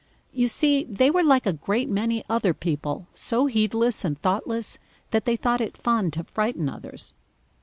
You see, they were like a great many other people, so heedless and thoughtless that they thought it fun to frighten others.